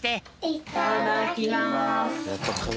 いただきます！